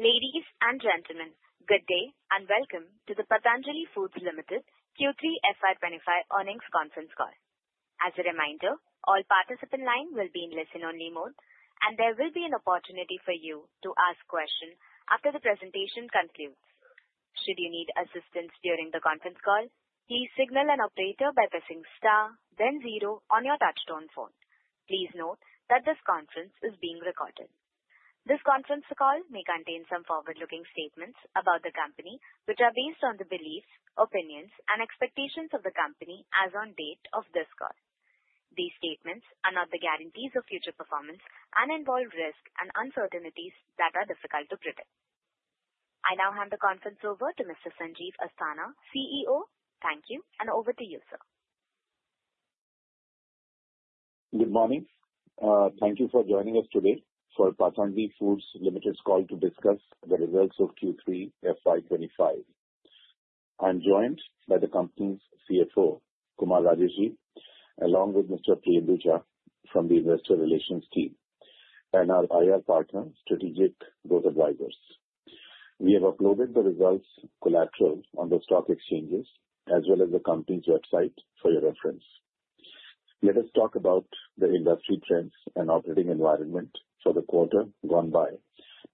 Ladies and gentlemen, good day and welcome to the Patanjali Foods Limited Q3 FY25 earnings conference call. As a reminder, all participants' lines will be in listen-only mode, and there will be an opportunity for you to ask questions after the presentation concludes. Should you need assistance during the conference call, please signal an operator by pressing star, then zero on your touch-tone phone. Please note that this conference is being recorded. This conference call may contain some forward-looking statements about the company, which are based on the beliefs, opinions, and expectations of the company as of the date of this call. These statements are not the guarantees of future performance and involve risks and uncertainties that are difficult to predict. I now hand the conference over to Mr. Sanjeev Asthana, CEO. Thank you, and over to you, sir. Good morning. Thank you for joining us today for Patanjali Foods Limited's call to discuss the results of Q3 FY25. I'm joined by the company's CFO, Kumar Rajesh, along with Mr. Priyendu Jha from the investor relations team and our IR partner, Strategic Growth Advisors. We have uploaded the results collateral on the stock exchanges as well as the company's website for your reference. Let us talk about the industry trends and operating environment for the quarter gone by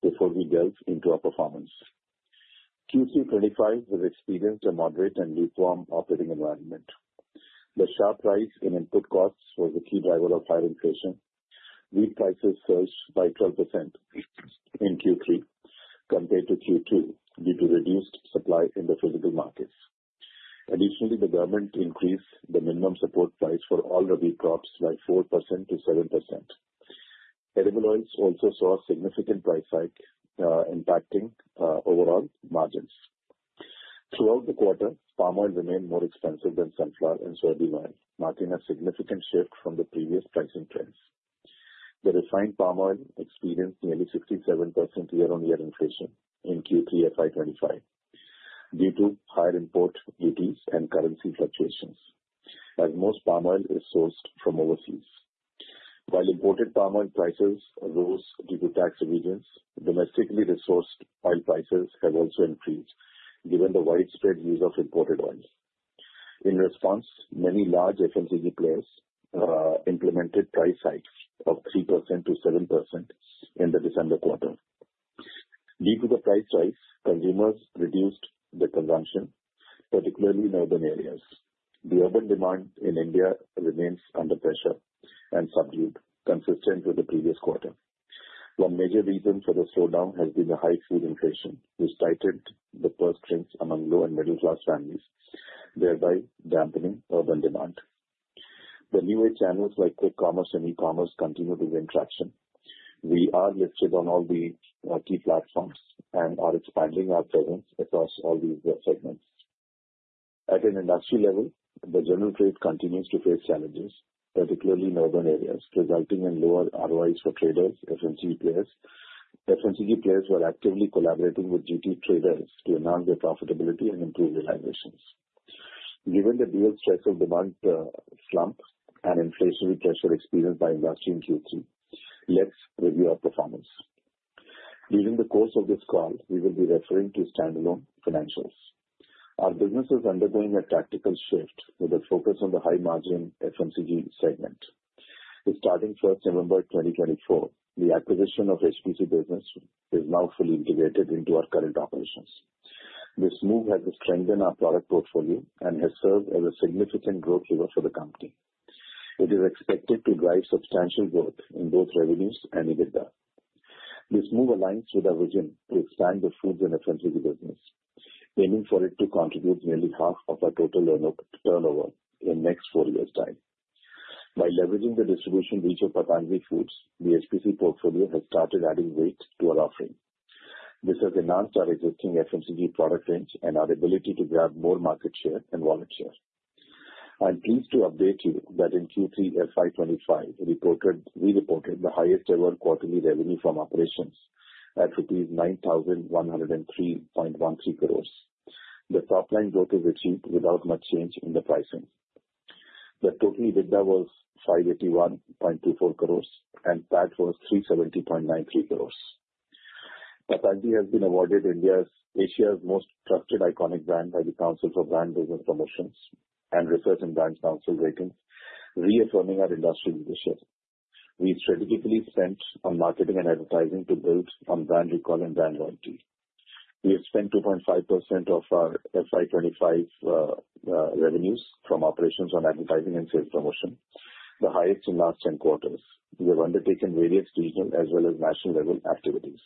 before we delve into our performance. Q3 FY25 has experienced a moderately warm operating environment. The sharp rise in input costs was a key driver of higher inflation. Wheat prices surged by 12% in Q3 compared to Q2 due to reduced supply in the physical markets. Additionally, the government increased the minimum support price for all the wheat crops by 4%-7%. Edible Oils also saw a significant price hike, impacting overall margins. Throughout the quarter, palm oil remained more expensive than sunflower and soybean oil, marking a significant shift from the previous pricing trends. The refined palm oil experienced nearly 67% year-on-year inflation in Q3 FY25 due to higher import duties and currency fluctuations, as most palm oil is sourced from overseas. While imported palm oil prices rose due to tax availability, domestically resourced oil prices have also increased given the widespread use of imported oil. In response, many large FMCG players implemented price hikes of 3%-7% in the December quarter. Due to the price rise, consumers reduced their consumption, particularly in urban areas. The urban demand in India remains under pressure and subdued, consistent with the previous quarter. One major reason for the slowdown has been the high food inflation, which tightened the purchase strength among low and middle-class families, thereby dampening urban demand. The new wave channels like quick commerce and e-commerce continue to gain traction. We are listed on all the key platforms and are expanding our presence across all these segments. At an industry level, the general trade continues to face challenges, particularly in urban areas, resulting in lower ROIs for traders, FMCG players. FMCG players were actively collaborating with GT traders to enhance their profitability and improve realizations. Given the dual stress of demand slump and inflationary pressure experienced by industry in Q3, let's review our performance. During the course of this call, we will be referring to standalone financials. Our business is undergoing a tactical shift with a focus on the high-margin FMCG segment. Starting 1st November 2024, the acquisition of HPC business is now fully integrated into our current operations. This move has strengthened our product portfolio and has served as a significant growth driver for the company. It is expected to drive substantial growth in both revenues and EBITDA. This move aligns with our vision to expand the foods and FMCG business, aiming for it to contribute nearly half of our total turnover in the next four years' time. By leveraging the distribution reach of Patanjali Foods, the HPC portfolio has started adding weight to our offering. This has enhanced our existing FMCG product range and our ability to grab more market share and wallet share. I'm pleased to update you that in Q3 FY25, we reported the highest-ever quarterly revenue from operations at rupees 9,103.13 crores. The top-line growth is achieved without much change in the pricing. The total EBITDA was ₹581.24 crores, and PAT was ₹370.93 crores. Patanjali has been awarded Asia's most trusted iconic brand by the Council for Brand Business Promotions and Research and Brands Council ratings, reaffirming our industry leadership. We strategically spent on marketing and advertising to build on brand recall and brand loyalty. We have spent 2.5% of our FY25 revenues from operations on advertising and sales promotion, the highest in last 10 quarters. We have undertaken various regional as well as national-level activities.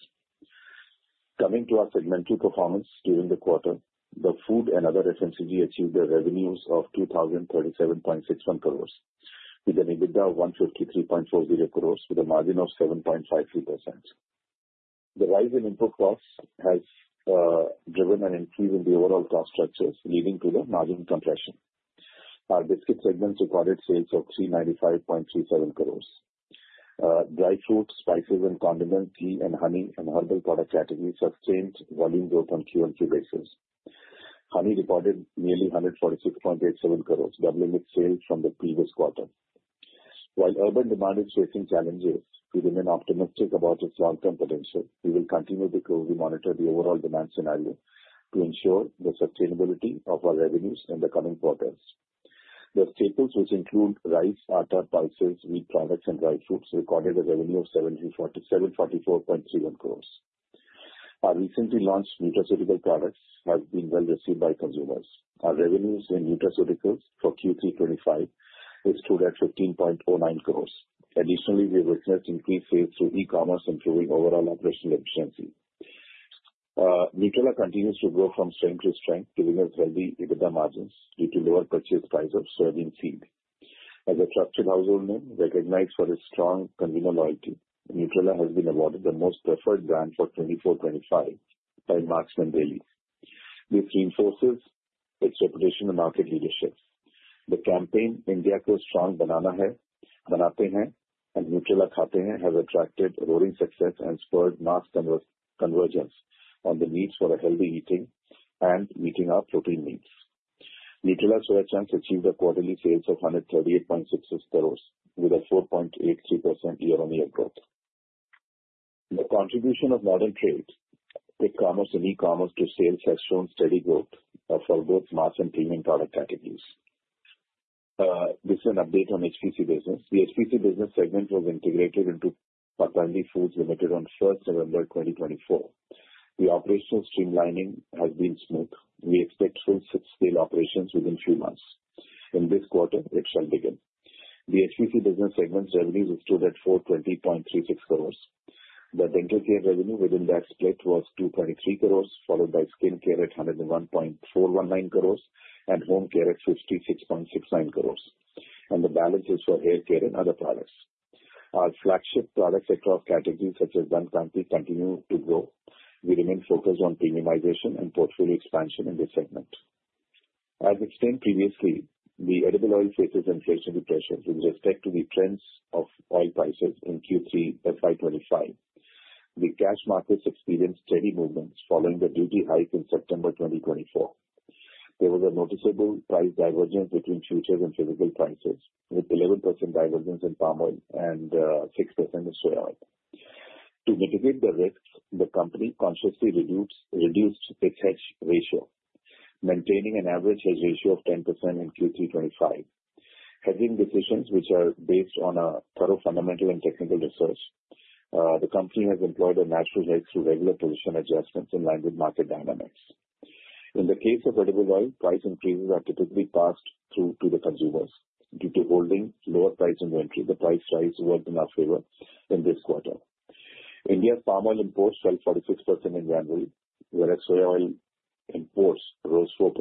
Coming to our segmental performance during the quarter, the food and other FMCG achieved a revenue of ₹2,037.61 crores, with an EBITDA of ₹153.40 crores, with a margin of 7.53%. The rise in input costs has driven an increase in the overall cost structures, leading to the margin compression. Our biscuit segment recorded sales of ₹395.37 crores. Dry fruits, spices, and condiments, tea and honey, and herbal product categories sustained volume growth on Q1 basis. Honey recorded nearly 146.87 crores, doubling its sales from the previous quarter. While urban demand is facing challenges, we remain optimistic about its long-term potential. We will continue to closely monitor the overall demand scenario to ensure the sustainability of our revenues in the coming quarters. The staples, which include rice, atta, pulses, wheat products, and dry fruits, recorded a revenue of 744.31 crores. Our recently launched nutraceutical products have been well received by consumers. Our revenues in nutraceuticals for Q3 25 stood at 15.09 crores. Additionally, we have witnessed increased sales through e-commerce, improving overall operational efficiency. Nutrela continues to grow from strength to strength, giving us healthy EBITDA margins due to lower purchase prices of soybean seed. As a trusted household name recognized for its strong consumer loyalty, Nutrela has been awarded the Most Preferred Brand for 24/25 by Marksmen Daily. This reinforces its reputation and market leadership. The campaign, "India Ko Strong Banana Hai" and "Nutrela Khate Hain" have attracted roaring success and spurred mass convergence on the needs for healthy eating and meeting our protein needs. Nutrela's surge has achieved a quarterly sales of 138.66 crores, with a 4.83% year-on-year growth. The contribution of modern trade, quick commerce, and e-commerce to sales has shown steady growth for both mass and premium product categories. This is an update on HPC business. The HPC business segment was integrated into Patanjali Foods Limited on 1st November 2024. The operational streamlining has been smooth. We expect full-scale operations within a few months. In this quarter, it shall begin. The HPC business segment's revenues is stood at 420.36 crores. The dental care revenue within that split was 223 crores, followed by skin care at 101.419 crores and home care at 56.69 crores. And the balance is for hair care and other products. Our flagship products across categories such as Dant Kanti continue to grow. We remain focused on premiumization and portfolio expansion in this segment. As explained previously, the edible oil faces inflationary pressures with respect to the trends of oil prices in Q3 FY2025. The cash markets experienced steady movements following the duty hike in September 2024. There was a noticeable price divergence between futures and physical prices, with 11% divergence in palm oil and 6% in soy oil. To mitigate the risks, the company consciously reduced its hedge ratio, maintaining an average hedge ratio of 10% in Q3 2025. Hedging decisions, which are based on thorough fundamental and technical research, the company has employed a natural hedge through regular position adjustments in line with market dynamics. In the case of edible oil, price increases are typically passed through to the consumers. Due to holding lower price inventory, the price rise worked in our favor in this quarter. India's palm oil imports fell 46% in January, whereas soy oil imports rose 4%,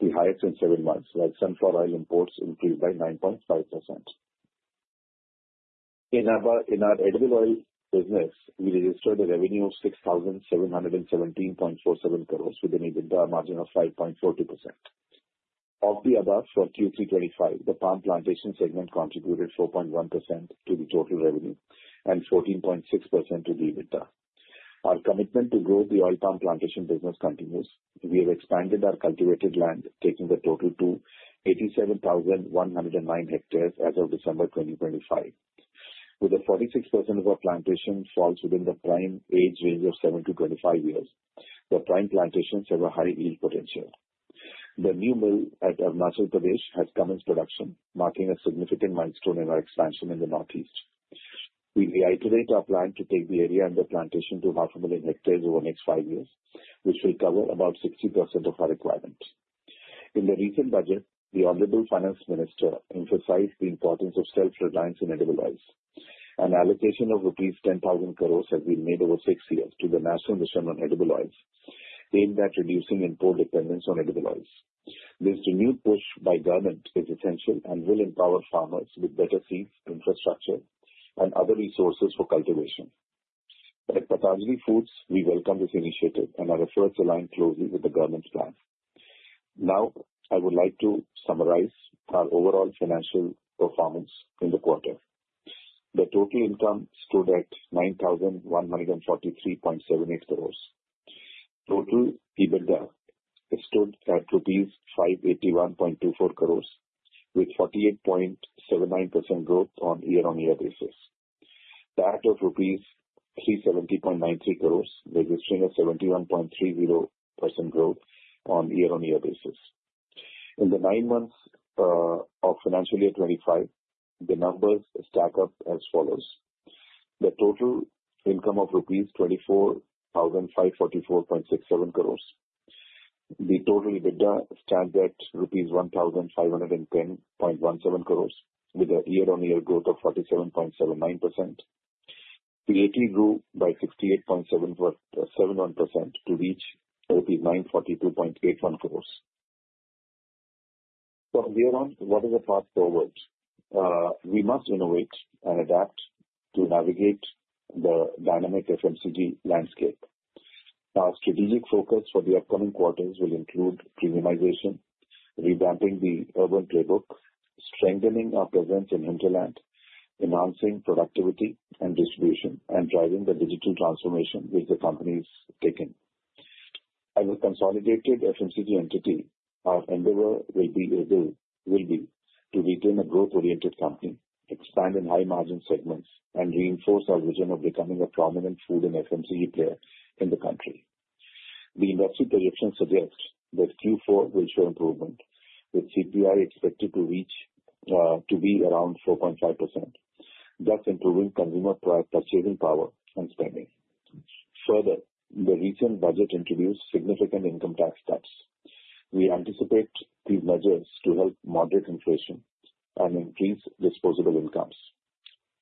the highest in seven months, while sunflower oil imports increased by 9.5%. In our edible oil business, we registered a revenue of 6,717.47 crores, with an EBITDA margin of 5.42%. Of the above for Q3 2025, the palm plantation segment contributed 4.1% to the total revenue and 14.6% to the EBITDA. Our commitment to grow the oil palm plantation business continues. We have expanded our cultivated land, taking the total to 87,109 hectares as of December 2025. With 46% of our plantation falls within the prime age range of seven to 25 years, the prime plantations have a high yield potential. The new mill at Arunachal Pradesh has commenced production, marking a significant milestone in our expansion in the northeast. We reiterate our plan to take the area and the plantation to 500,000 hectares over the next five years, which will cover about 60% of our requirements. In the recent budget, the Honorable Finance Minister emphasized the importance of self-reliance in edible oils. An allocation of ₹10,000 crores has been made over six years to the National Mission on Edible Oils, aimed at reducing import dependence on edible oils. This renewed push by government is essential and will empower farmers with better seeds, infrastructure, and other resources for cultivation. At Patanjali Foods, we welcome this initiative and are efforts aligned closely with the government plan. Now, I would like to summarize our overall financial performance in the quarter. The total income stood at 9,143.78 crores. Total EBITDA stood at rupees 581.24 crores, with 48.79% growth on year-on-year basis. That of rupees 370.93 crores, registering a 71.30% growth on year-on-year basis. In the nine months of financial year 25, the numbers stack up as follows. The total income of rupees 24,544.67 crores. The total EBITDA stands at rupees 1,510.17 crores, with a year-on-year growth of 47.79%. It grew by 68.71% to reach INR 942.81 crores. From here on, what is the path forward? We must innovate and adapt to navigate the dynamic FMCG landscape. Our strategic focus for the upcoming quarters will include premiumization, revamping the urban playbook, strengthening our presence in hinterland, enhancing productivity and distribution, and driving the digital transformation which the company is taking. As a consolidated FMCG entity, our endeavor will be able to retain a growth-oriented company, expand in high-margin segments, and reinforce our vision of becoming a prominent food and FMCG player in the country. The industry projections suggest that Q4 will show improvement, with CPI expected to be around 4.5%, thus improving consumer purchasing power and spending. Further, the recent budget introduced significant income tax cuts. We anticipate these measures to help moderate inflation and increase disposable incomes.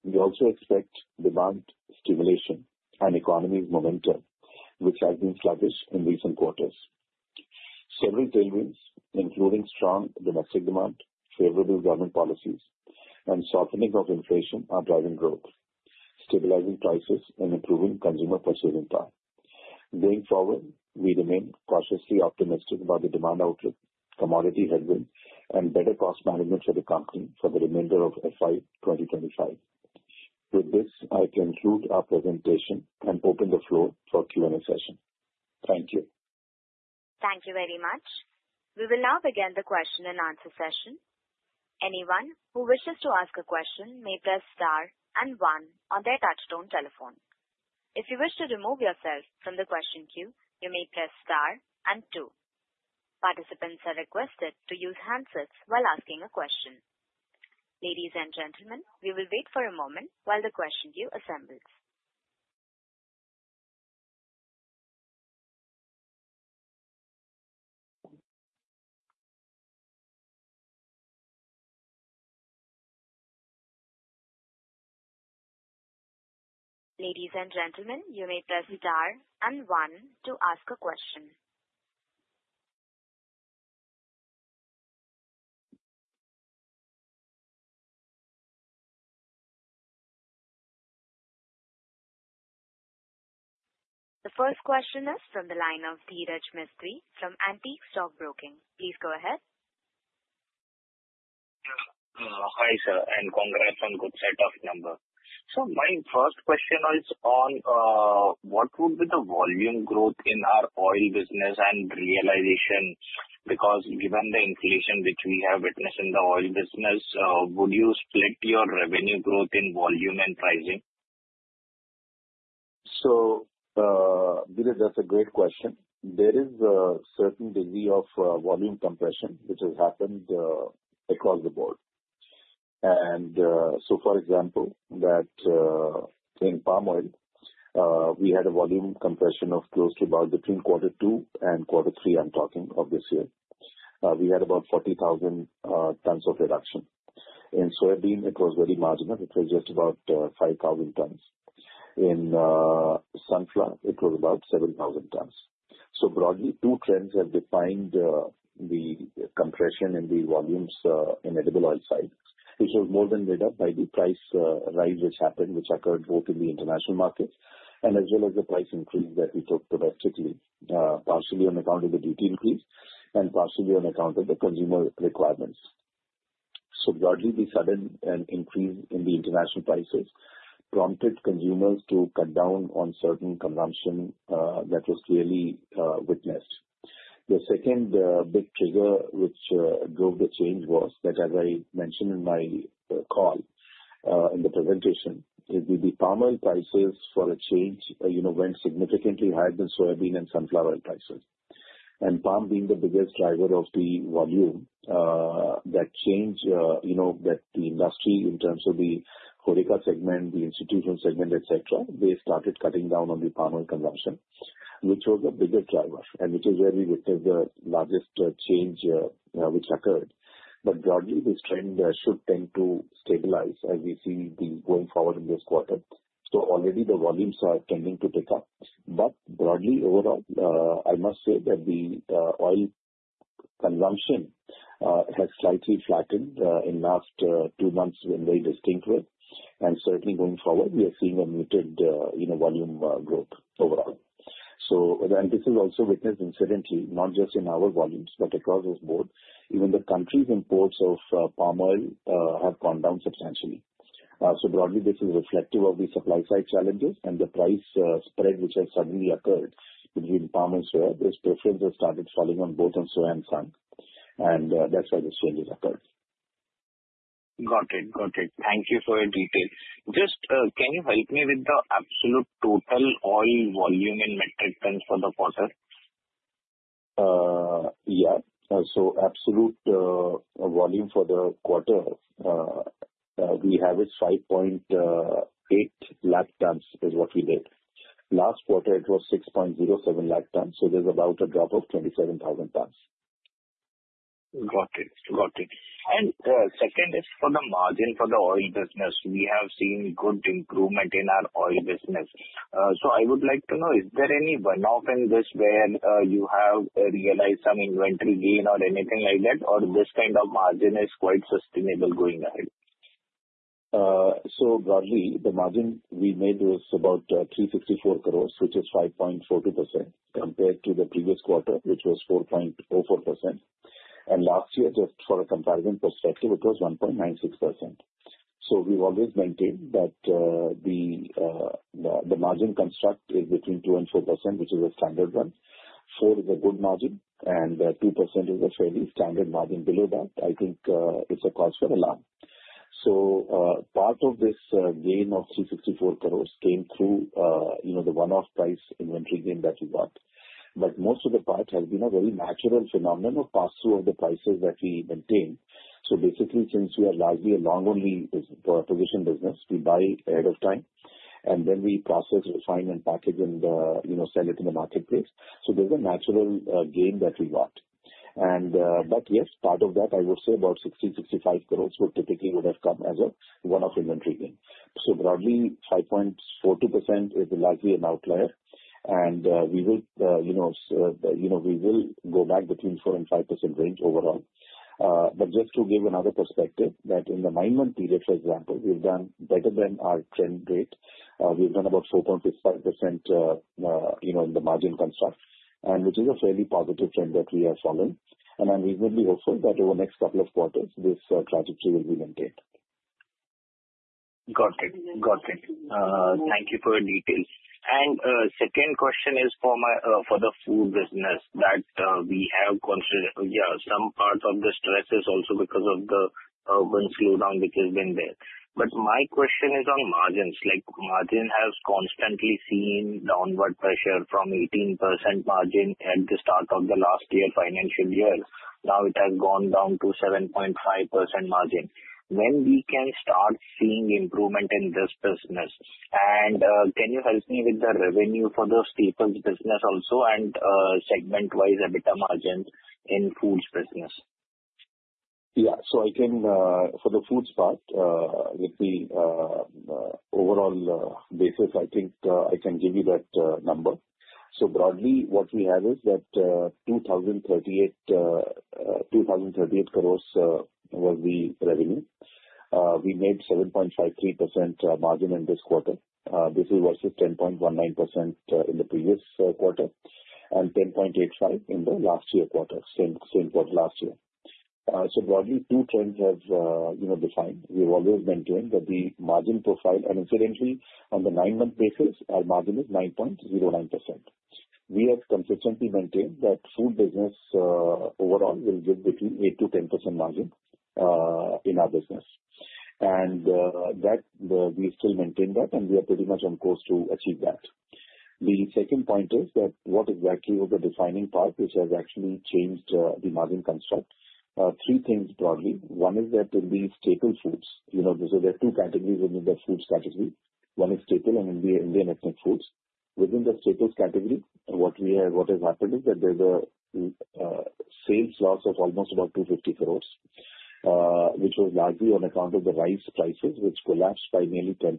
We also expect demand stimulation and economy momentum, which has been sluggish in recent quarters. Several tailwinds, including strong domestic demand, favorable government policies, and softening of inflation, are driving growth, stabilizing prices, and improving consumer purchasing power. Going forward, we remain cautiously optimistic about the demand outlook, commodity headwinds, and better cost management for the company for the remainder of FY 2025. With this, I conclude our presentation and open the floor for a Q&A session. Thank you. Thank you very much. We will now begin the question and answer session. Anyone who wishes to ask a question may press star and one on their touch-tone telephone. If you wish to remove yourself from the question queue, you may press star and two. Participants are requested to use handsets while asking a question. Ladies and gentlemen, we will wait for a moment while the question queue assembles. Ladies and gentlemen, you may press star and one to ask a question. The first question is from the line of Dhiraj Mistry from Antique Stock Broking. Please go ahead. Hi, sir, and congrats on the good set of numbers. So my first question is on what would be the volume growth in our oil business and realization? Because given the inflation which we have witnessed in the oil business, would you split your revenue growth in volume and pricing? So, Dhiraj, that's a great question. There is a certain degree of volume compression which has happened across the board. And so, for example, in palm oil, we had a volume compression of close to about between Q2 and Q3, I'm talking of this year. We had about 40,000 tons of reduction. In soybean, it was very marginal. It was just about 5,000 tons. In sunflower, it was about 7,000 tons. So broadly, two trends have defined the compression in the volumes in edible oil side, which was more than made up by the price rise which happened, which occurred both in the international markets and as well as the price increase that we took domestically, partially on account of the duty increase and partially on account of the consumer requirements. So broadly, the sudden increase in the international prices prompted consumers to cut down on certain consumption that was clearly witnessed. The second big trigger which drove the change was that, as I mentioned in my call in the presentation, the palm oil prices for a change went significantly higher than soybean and sunflower oil prices. And, palm being the biggest driver of the volume, the change in the industry in terms of the HoReCa segment, the institutional segment, etc., they started cutting down on the palm oil consumption, which was the biggest driver, and which is where we witnessed the largest change which occurred. But broadly, this trend should tend to stabilize as we see going forward in this quarter. So already, the volumes are tending to pick up. But broadly, overall, I must say that the oil consumption has slightly flattened in the last two months in a very distinct way. And certainly, going forward, we are seeing a muted volume growth overall. So this is also witnessed, incidentally, not just in our volumes, but across the board. Even the country's imports of palm oil have gone down substantially. So broadly, this is reflective of the supply-side challenges and the price spread which has suddenly occurred between palm and soybean. This preference has started falling on both on soy and sun, and that's why this change has occurred. Got it. Got it. Thank you for your details. Just can you help me with the absolute total oil volume and metric tons for the quarter? Yeah. So absolute volume for the quarter we have is 5.8 lakh tons, is what we did. Last quarter, it was 6.07 lakh tons. So there's about a drop of 27,000 tons. Got it. Got it. And second is for the margin for the oil business. We have seen good improvement in our oil business. So I would like to know, is there any one-off in this where you have realized some inventory gain or anything like that, or this kind of margin is quite sustainable going ahead? So broadly, the margin we made was about 364 crores, which is 5.42% compared to the previous quarter, which was 4.04%. And last year, just for a comparison perspective, it was 1.96%. So we've always maintained that the margin construct is between 2 and 4%, which is a standard one. 4 is a good margin, and 2% is a fairly standard margin. Below that, I think it's a cause for alarm. So part of this gain of 364 crores came through the one-off price inventory gain that we got. But most of the part has been a very natural phenomenon of pass-through of the prices that we maintain. So basically, since we are largely a long-only position business, we buy ahead of time, and then we process, refine, and package, and sell it in the marketplace. So there's a natural gain that we got. But yes, part of that, I would say about 60-65 crores would typically have come as a one-off inventory gain. So broadly, 5.42% is largely an outlier, and we will go back between 4-5% range overall. But just to give another perspective, that in the nine-month period, for example, we've done better than our trend rate. We've done about 4.55% in the margin construct, which is a fairly positive trend that we are following. And I'm reasonably hopeful that over the next couple of quarters, this trajectory will be maintained. Got it. Got it. Thank you for your details. And second question is for the food business that we have considered. Yeah, some part of the stress is also because of the urban slowdown which has been there. But my question is on margins. Margin has constantly seen downward pressure from 18% margin at the start of the last financial year. Now it has gone down to 7.5% margin. When can we start seeing improvement in this business? And can you help me with the revenue for the staples business also and segment-wise EBITDA margin in foods business? Yeah. So for the foods part, with the overall basis, I think I can give you that number. So broadly, what we have is that 2,038 crores was the revenue. We made 7.53% margin in this quarter. This is versus 10.19% in the previous quarter and 10.85% in the last year quarter, same quarter last year. So broadly, two trends have defined. We've always maintained that the margin profile, and incidentally, on the nine-month basis, our margin is 9.09%. We have consistently maintained that food business overall will give between 8%-10% margin in our business. And we still maintain that, and we are pretty much on course to achieve that. The second point is that what exactly was the defining part which has actually changed the margin construct? Three things broadly. One is that in the staple foods, there are two categories within the foods category. One is staple and Indian ethnic foods. Within the staples category, what has happened is that there's a sales loss of almost about 250 crores, which was largely on account of the rice prices, which collapsed by nearly 10%,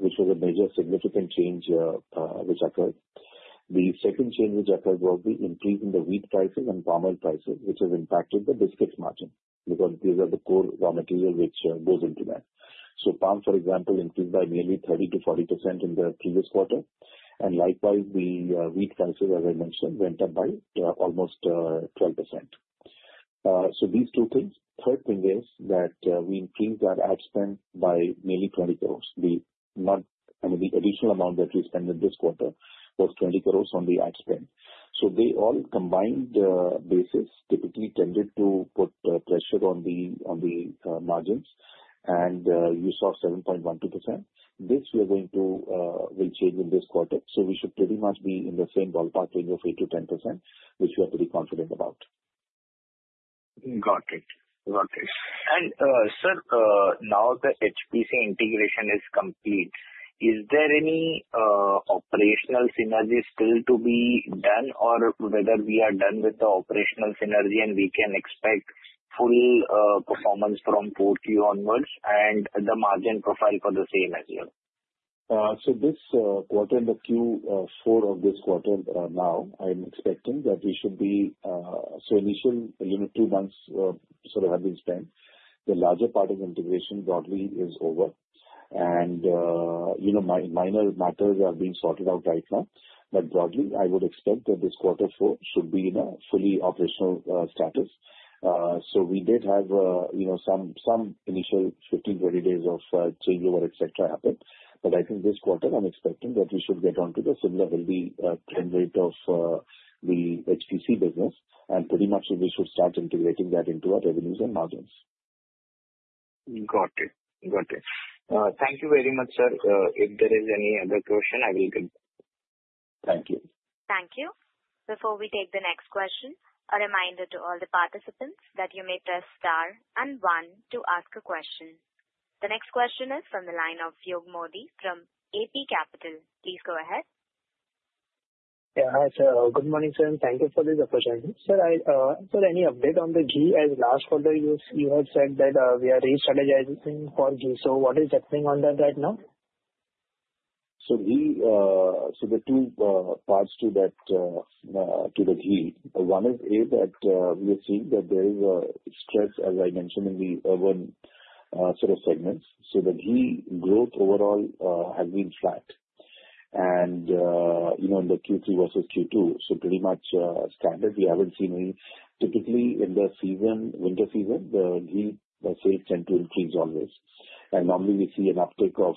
which was a major significant change which occurred. The second change which occurred was the increase in the wheat prices and palm oil prices, which has impacted the biscuits margin because these are the core raw material which goes into that. So palm, for example, increased by nearly 30%-40% in the previous quarter. And likewise, the wheat prices, as I mentioned, went up by almost 12%. So these two things. Third thing is that we increased our ad spend by nearly 20 crores. The additional amount that we spent in this quarter was 20 crores on the ad spend. So they all combined basis typically tended to put pressure on the margins, and you saw 7.12%. This we are going to change in this quarter. So we should pretty much be in the same ballpark range of 8%-10%, which we are pretty confident about. Got it. Got it. And, sir, now the HPC integration is complete. Is there any operational synergy still to be done or whether we are done with the operational synergy and we can expect full performance from Q2 onwards and the margin profile for the same as well? So, this quarter, the Q4 of this quarter now, I'm expecting that we should be so initial two months sort of have been spent. The larger part of the integration broadly is over. And minor matters are being sorted out right now. But broadly, I would expect that this quarter four should be in a fully operational status. So we did have some initial 15, 20 days of changeover, etc., happen. But I think this quarter, I'm expecting that we should get on to the similar heavy trend rate of the HPC business, and pretty much we should start integrating that into our revenues and margins. Got it. Thank you very much, sir. If there is any other question, I will get. Thank you. Before we take the next question, a reminder to all the participants that you may press star and one to ask a question. The next question is from the line of Yug Modi from AP Capital. Please go ahead. Yeah. Hi, sir. Good morning, sir. Thank you for this opportunity. Sir, any update on the GT as last quarter? You had said that we are restrategizing for GT. So what is happening on that right now? So the two parts to the GT. One is that we are seeing that there is a stress, as I mentioned, in the urban sort of segments. So the GT growth overall has been flat. And in the Q3 versus Q2, so pretty much standard, we haven't seen any. Typically, in the winter season, the ghee sales tend to increase always, and normally, we see an uptick of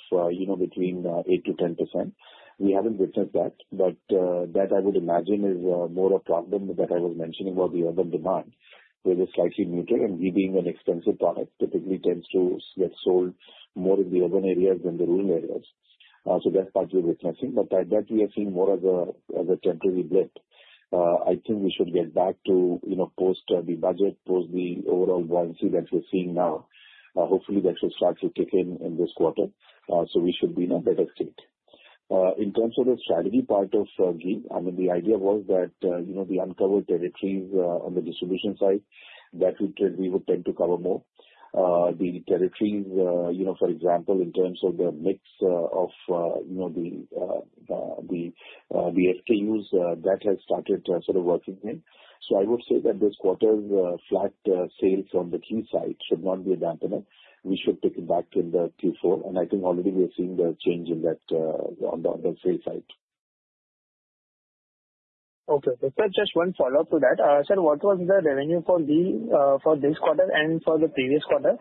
between 8%-10%. We haven't witnessed that, but that, I would imagine, is more a problem that I was mentioning about the urban demand. It is slightly muted, and ghee being an expensive product typically tends to get sold more in the urban areas than the rural areas, so that's what we're witnessing, but that we have seen more as a temporary blip. I think we should get back to post the budget, post the overall volatility that we're seeing now. Hopefully, that should start to kick in in this quarter, so we should be in a better state. In terms of the strategy part of ghee, I mean, the idea was that the uncovered territories on the distribution side, that we would tend to cover more. The territories, for example, in terms of the mix of the SKUs, that has started sort of working in. So I would say that this quarter, flat sales on the Ghee side should not be a dampener. We should pick it back in the Q4. And I think already we are seeing the change in that on the sales side. Okay. Just one follow-up to that. Sir, what was the revenue for Ghee for this quarter and for the previous quarter?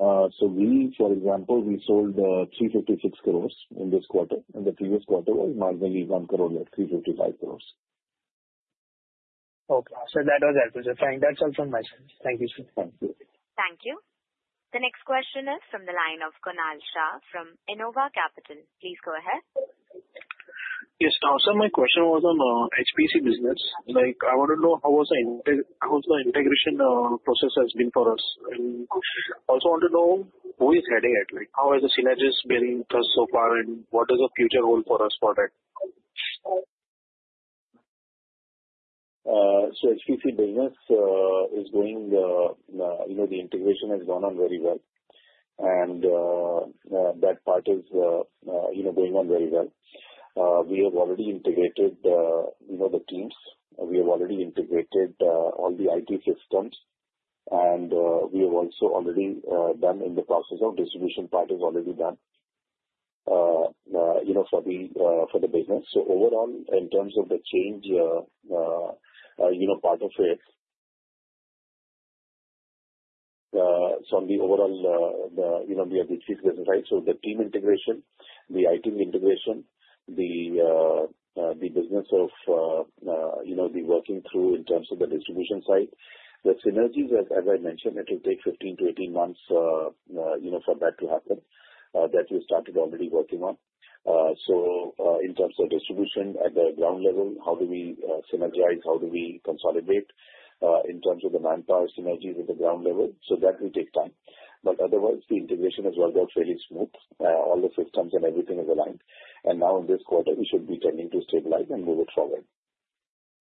So Ghee, for example, we sold 356 crores in this quarter. And the previous quarter was marginally one crore less, 355 crores. Okay. So that was helpful. So find that out from my side. Thank you, sir. Thank you. Thank you. The next question is from the line of Kunal Shah from Innova Capital. Please go ahead. Yes. Sir, my question was on HPC business. I want to know how the integration process has been for us. And also want to know who is heading it? How has the synergies been thus so far, and what is the future role for us for that? So HPC business is going the integration has gone on very well. And that part is going on very well. We have already integrated the teams. We have already integrated all the IT systems. And we have also already done in the process of distribution part is already done for the business. So overall, in terms of the change part of it, so on the overall, we have HPC business, right? So the team integration, the IT integration, the business of the working through in terms of the distribution side. The synergies, as I mentioned, it will take 15-18 months for that to happen. That we started already working on, so in terms of distribution at the ground level, how do we synergize? How do we consolidate in terms of the manpower synergies at the ground level? So that will take time, but otherwise, the integration has worked out fairly smooth. All the systems and everything is aligned, and now in this quarter, we should be tending to stabilize and move it forward.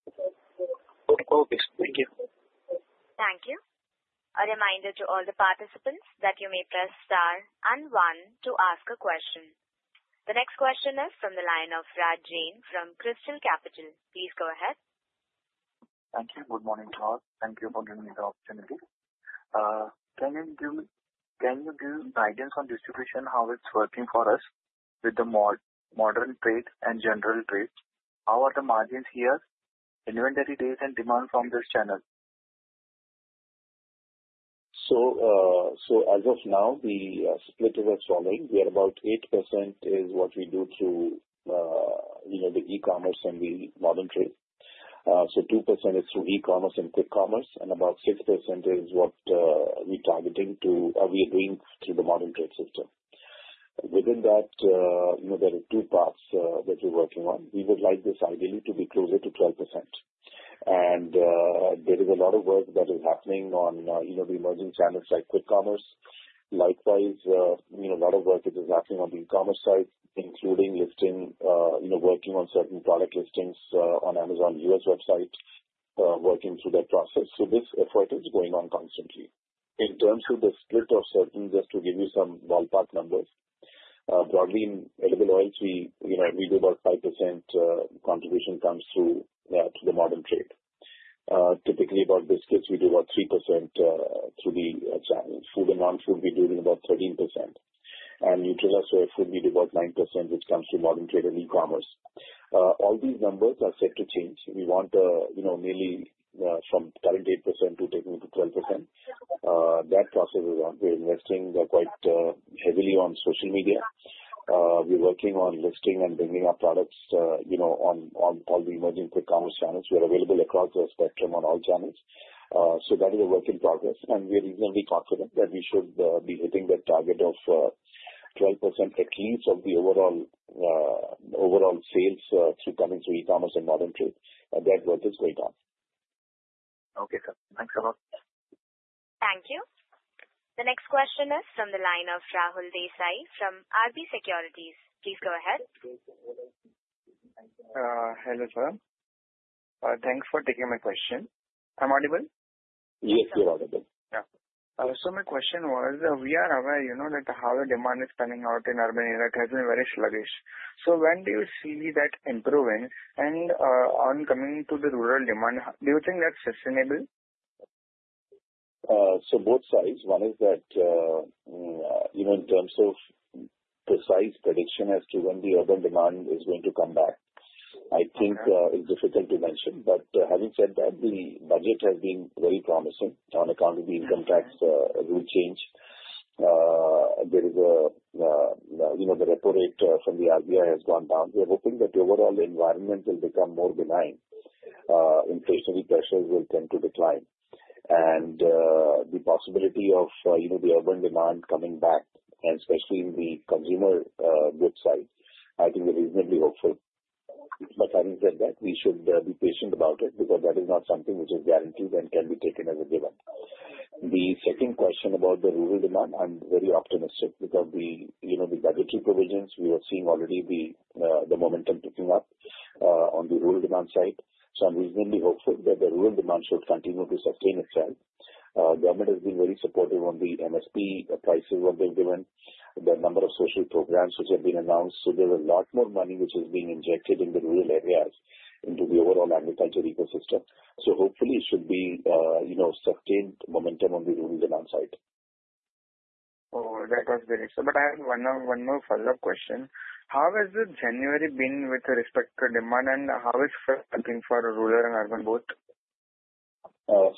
Okay. Thank you. Thank you. A reminder to all the participants that you may press star and one to ask a question. The next question is from the line of Raj Karia from Chrystal Capital. Please go ahead. Thank you. Good morning, sir. Thank you for giving me the opportunity. Can you give guidance on distribution, how it's working for us with the modern trade and general trade? How are the margins here, inventory days, and demand from this channel? So as of now, the split is as following. We are about 8% is what we do through the e-commerce and the modern trade. So 2% is through e-commerce and quick commerce, and about 6% is what we're targeting to be doing through the modern trade system. Within that, there are two parts that we're working on. We would like this ideally to be closer to 12%. And there is a lot of work that is happening on the emerging channels like quick commerce. Likewise, a lot of work is happening on the e-commerce side, including working on certain product listings on Amazon U.S. website, working through that process. So this effort is going on constantly. In terms of the split of certain, just to give you some ballpark numbers, broadly, in Edible Oils, we do about 5% contribution comes through the modern trade. Typically, about biscuits, we do about 3% through the channel. Food and non-food, we do about 13%, and Nutrela food, we do about 9%, which comes through modern trade and e-commerce. All these numbers are set to change. We want to nearly from current 8% to taking to 12%. That process is on. We're investing quite heavily on social media. We're working on listing and bringing our products on all the emerging quick commerce channels. We are available across the spectrum on all channels, so that is a work in progress, and we are reasonably confident that we should be hitting that target of 12% at least of the overall sales through coming through e-commerce and modern trade. That work is going on. Okay, sir. Thanks a lot. Thank you. The next question is from the line of Rahul Desai from RB Securities. Please go ahead. Hello, sir. Thanks for taking my question. Am I audible? Yes, you're audible. Yeah. So my question was, we are aware that how the demand is coming out in urban area has been very sluggish. So when do you see that improving? And on coming to the rural demand, do you think that's sustainable? So both sides. One is that in terms of precise prediction as to when the urban demand is going to come back, I think it's difficult to mention. But having said that, the budget has been very promising on account of the income tax rule change. There is, the repo rate from the RBI has gone down. We are hoping that the overall environment will become more benign. Inflationary pressures will tend to decline, and the possibility of the urban demand coming back, and especially in the consumer goods side, I think we're reasonably hopeful, but having said that, we should be patient about it because that is not something which is guaranteed and can be taken as a given. The second question about the rural demand, I'm very optimistic because the budgetary provisions, we are seeing already the momentum picking up on the rural demand side, so I'm reasonably hopeful that the rural demand should continue to sustain itself. Government has been very supportive on the MSP prices that they've given, the number of social programs which have been announced, so there's a lot more money which is being injected in the rural areas into the overall agriculture ecosystem. So hopefully, it should be sustained momentum on the rural demand side. Oh, that was very good. But I have one more follow-up question. How has the January been with respect to demand, and how is it looking for rural and urban both?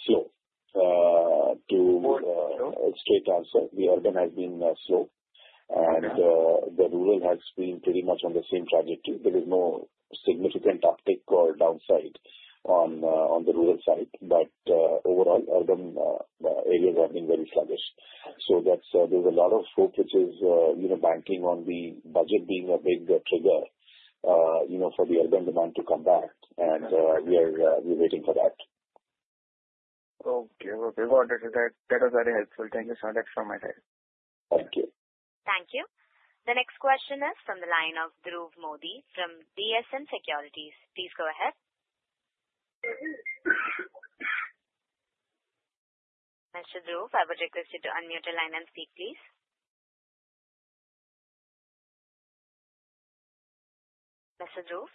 Slow. To a straight answer, the urban has been slow. And the rural has been pretty much on the same trajectory. There is no significant uptick or downside on the rural side. But overall, urban areas have been very sluggish. So there's a lot of hope which is banking on the budget being a big trigger for the urban demand to come back. And we are waiting for that. Okay. Okay. That was very helpful. Thank you so much from my side. Thank you. Thank you. The next question is from the line of Dhruv Modi from DSM Securities. Please go ahead. Mr. Dhruv, I would request you to unmute your line and speak, please. Mr. Dhruv,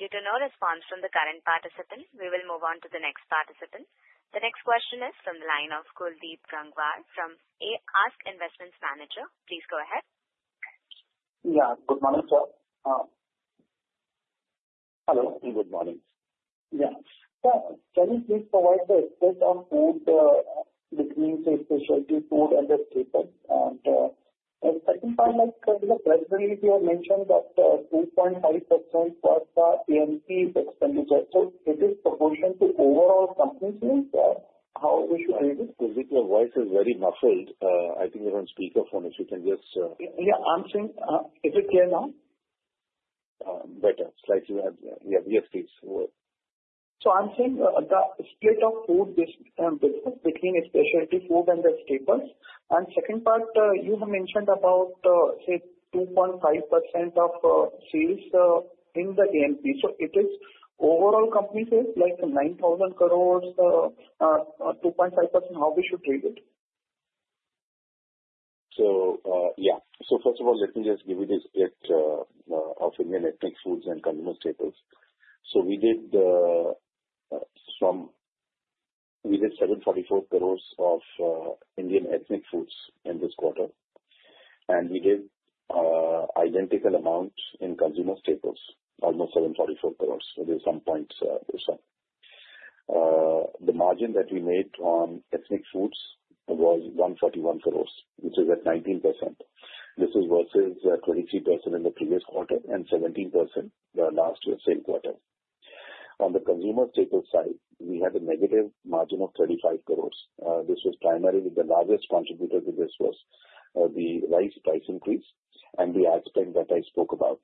due to no response from the current participant, we will move on to the next participant. The next question is from the line of Kuldeep Gangwar from ASK Investment Managers. Please go ahead. Yeah. Good morning, sir. Hello. Good morning. Yeah. Sir, can you please provide the split of food between the specialty food and the staples? And second part, the management, you have mentioned that 2.5% was the A&P expenditure. So it is proportional to overall company sales. How is it? I think your voice is very muffled. I think you're on speakerphone. If you can just. Yeah. I'm saying, if you can now. Better. Slightly. Yeah. Yes, please. So I'm saying the split of food business between specialty food and the staples. And second part, you have mentioned about, say, 2.5% of sales in the A&P. So it is overall company sales, like 9,000 crores, 2.5%. How we should treat it? So yeah. So first of all, let me just give you the split of Indian ethnic foods and consumer staples. So we did 744 crores of Indian ethnic foods in this quarter. And we did identical amount in consumer staples, almost 744 crores. So there's some points there. The margin that we made on ethnic foods was 141 crores, which is at 19%. This is versus 23% in the previous quarter and 17% last year's same quarter. On the consumer staples side, we had a negative margin of 35 crores. This was primarily the largest contributor to this, the rice price increase and the ad spend that I spoke about.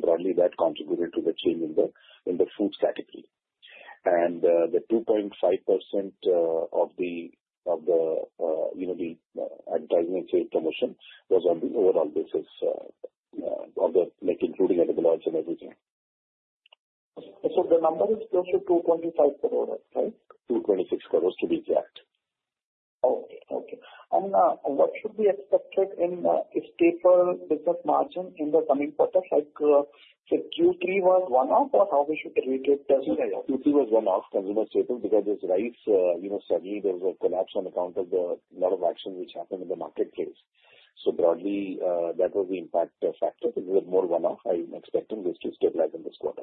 Broadly, that contributed to the change in the foods category. The 2.5% of the advertising and sales promotion was on the overall basis of including Edible Oils and everything. The number is closer to 2.5 crores, right? 226 crores to be exact. Okay. Okay. What should be expected in the staple business margin in the coming quarters? Like, Q3 was one-off, or how we should rate it? Q3 was one-off consumer staples because this rice, suddenly, there was a collapse on account of a lot of action which happened in the marketplace. Broadly, that was the impact factor. It was more one-off. I'm expecting this to stabilize in this quarter.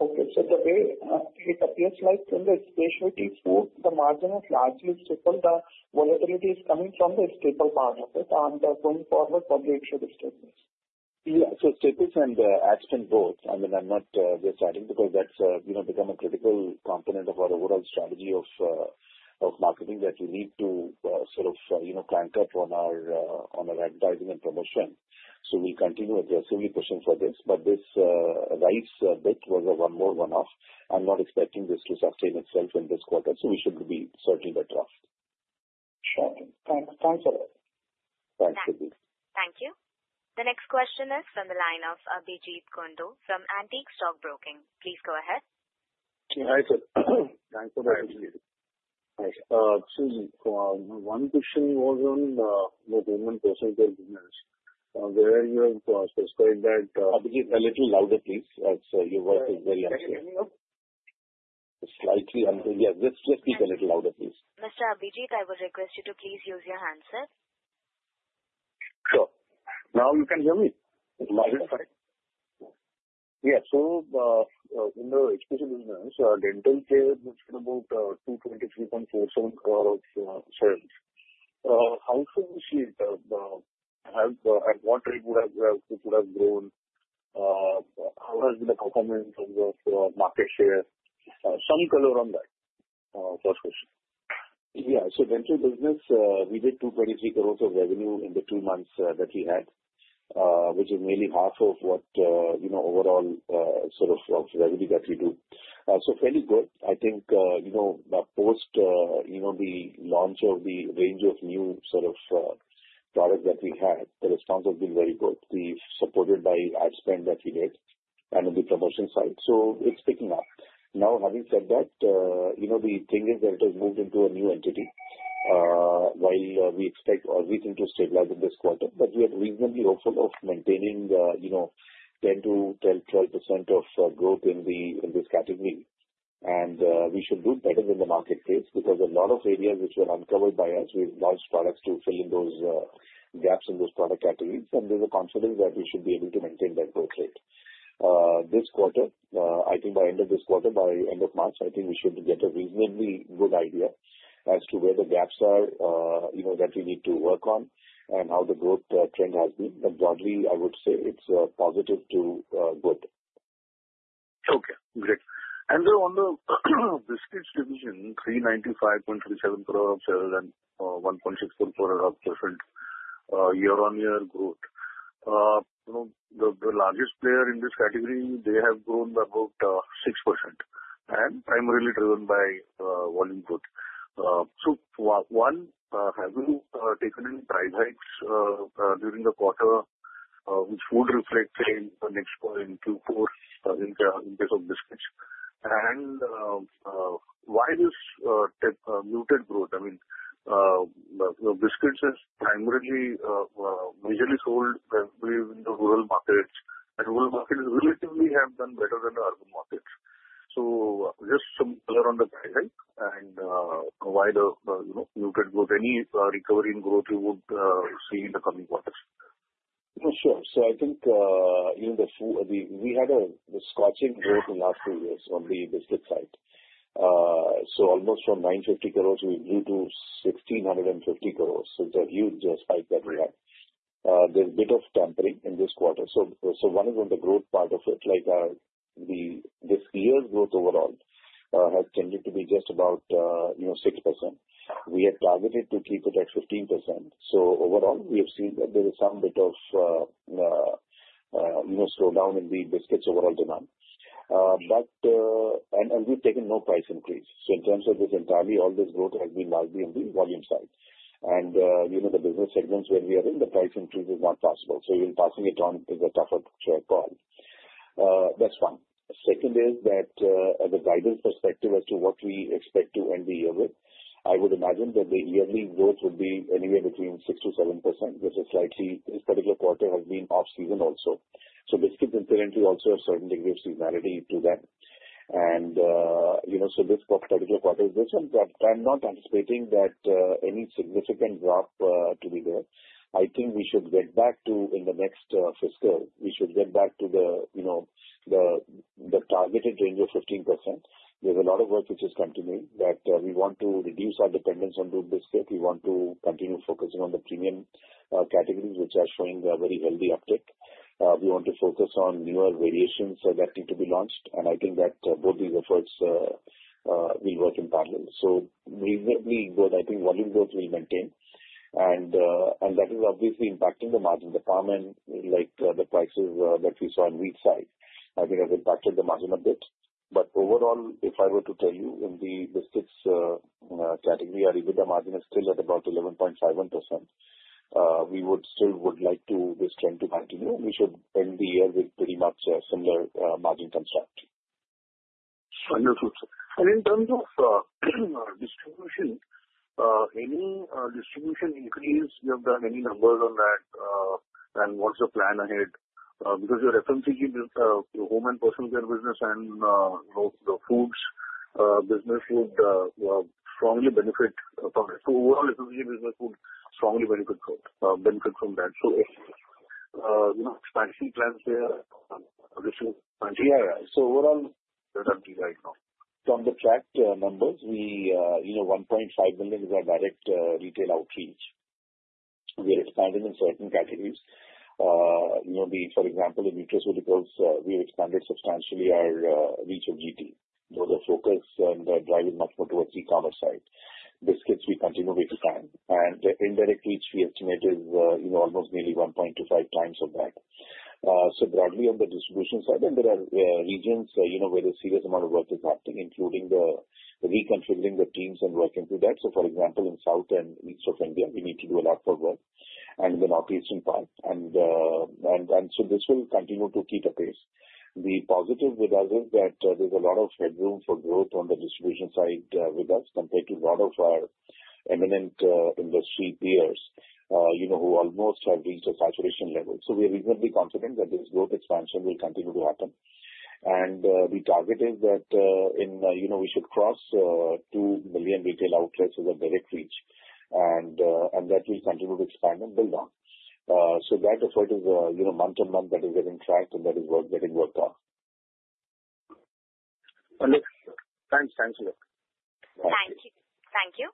Okay. It appears like in the specialty food, the margin is largely stable. The volatility is coming from the staple part of it. Going forward, probably it should stabilize. Yeah. So, staples and ad spend both. I mean, I'm not deciding because that's become a critical component of our overall strategy of marketing that we need to sort of crank up on our advertising and promotion. So we'll continue aggressively pushing for this. But this rice bit was a one-off. I'm not expecting this to sustain itself in this quarter. So we should be certainly better off. Sure. Thanks. Thanks a lot. Thanks for this. Thank you. The next question is from the line of Abhijit Kundu from Antique Stockbroking. Please go ahead. Hi, sir. Thanks for the opportunity. Hi. So one question was on the HPC business. Where you have prescribed that— Abhijit, a little louder, please. Your voice is very unclear. Slightly unclear. Yes. Just speak a little louder, please. Mr. Abhijit, I would request you to please use your handset. Sure. Now you can hear me? It's loud. Yeah. So in the HPC business, dental care is going to move 223.47 crores sales. How should we see it? At what rate would have grown? How has been the performance of the market share? Some color on that, first question. Yeah. So dental business, we did 223 crores of revenue in the two months that we had, which is nearly half of what overall sort of revenue that we do. So fairly good. I think post the launch of the range of new sort of products that we had, the response has been very good. We've supported by ad spend that we did and on the promotion side. So it's picking up. Now, having said that, the thing is that it has moved into a new entity while we expect everything to stabilize in this quarter. But we are reasonably hopeful of maintaining 10%-12% growth in this category. We should do better than the marketplace because a lot of areas which were uncovered by us, we've launched products to fill in those gaps in those product categories. There's a confidence that we should be able to maintain that growth rate. This quarter, I think by end of this quarter, by end of March, I think we should get a reasonably good idea as to where the gaps are that we need to work on and how the growth trend has been. But broadly, I would say it's positive to good. Okay. Great. And on the biscuits division, 395.37 crores and 1.64 crores of different year-on-year growth. The largest player in this category, they have grown by about 6% and primarily driven by volume growth. So one, have you taken in price hikes during the quarter, which would reflect in Q4 in case of biscuits? And why this muted growth? I mean, biscuits is primarily usually sold in the rural markets. And rural markets relatively have done better than urban markets. So just some color on the price hike and why the muted growth, any recovery in growth you would see in the coming quarters? Sure. So I think we had a scorching growth in the last few years on the biscuit side. So almost from 950 crores, we grew to 1,650 crores. So it's a huge spike that we had. There's a bit of tempering in this quarter. So one is on the growth part of it. This year's growth overall has tended to be just about 6%. We had targeted to keep it at 15%. So, overall, we have seen that there is some bit of slowdown in the biscuits overall demand. And we've taken no price increase. So in terms of this entirely, all this growth has been largely on the volume side. And the business segments where we are in, the price increase is not possible. So even passing it on is a tougher call. That's one. Second is that as a guidance perspective as to what we expect to end the year with, I would imagine that the yearly growth would be anywhere between 6%-7%, which is slightly. This particular quarter has been off-season also. So biscuits inherently also have a certain degree of seasonality to them. And so this particular quarter is different. I'm not anticipating that any significant drop to be there. I think we should get back to, in the next fiscal, we should get back to the targeted range of 15%. There's a lot of work which is continuing that we want to reduce our dependence on Doodh biscuits. We want to continue focusing on the premium categories, which are showing a very healthy uptake. We want to focus on newer variations that need to be launched. And I think that both these efforts will work in parallel, so reasonably good. I think volume growth will maintain, and that is obviously impacting the margin. The palm and the prices that we saw on wheat side, I think, have impacted the margin a bit. But overall, if I were to tell you, in the biscuits category, our EBITDA margin is still at about 11.51%. We still would like this trend to continue. We should end the year with pretty much a similar margin construct. Wonderful. And in terms of distribution, any distribution increase? You have done any numbers on that and what's the plan ahead? Because you're referencing home and personal care business and the foods business would strongly benefit from it. So overall, the food business would strongly benefit from that. So expansion plans there? Yeah. Yeah. So overall. That I'm seeing right now. So on the tracked numbers, 1.5 million is our direct retail outreach. We are expanding in certain categories. For example, in nutraceuticals, we have expanded substantially our reach of GT. Though the focus and drive is much more towards the e-commerce side. Biscuits, we continue to expand. And the indirect reach, we estimate, is almost nearly 1.25 times of that. So broadly, on the distribution side, there are regions where a serious amount of work is happening, including reconfiguring the teams and working through that. So for example, in South and East of India, we need to do a lot of work. And in the Northeastern part. And so this will continue to keep the pace. The positive with us is that there's a lot of headroom for growth on the distribution side with us compared to a lot of our eminent industry peers who almost have reached a saturation level. So we are reasonably confident that this growth expansion will continue to happen. And the target is that we should cross 2 million retail outlets with a direct reach. And that will continue to expand and build on. So that effort is month-to-month that is getting tracked and that is getting worked on. Thanks. Thanks a lot. Thank you. Thank you.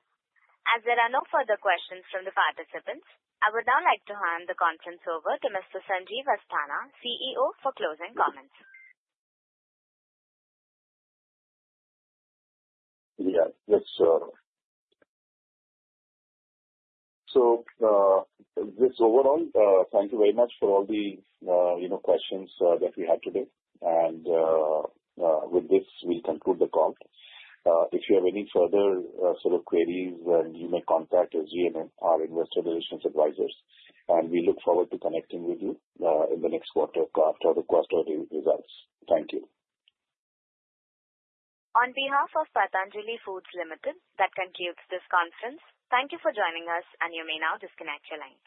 As there are no further questions from the participants, I would now like to hand the conference over to Mr. Sanjeev Asthana, CEO, for closing comments. Yeah. Yes, sir. So overall, thank you very much for all the questions that we had today. And with this, we conclude the call. If you have any further sort of queies, you may contact SGA and our investor relations advisors. And we look forward to connecting with you in the next quarter after the quarter results. Thank you. On behalf of Patanjali Foods Limited that concludes this conference, thank you for joining us, and you may now disconnect your line.